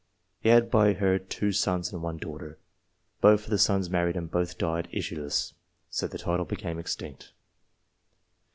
He had by her two sons and one daughter. Both of the sons married, and both died issueless, so the title became extinct.